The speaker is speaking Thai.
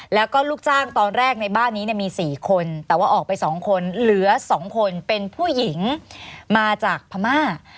แล้วก็ลูกจ้างตอนแรกในบ้านนี้มี๔คนแต่ว่าออกไป๒คนเหลือ๒คนเป็นผู้หญิงมาจากพม่า